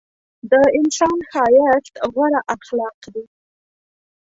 د انسان ښایست غوره اخلاق دي.